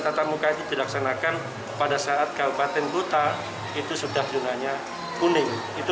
tetap muka itu dilaksanakan pada saat kabupaten buta itu sudah dunia kuning itu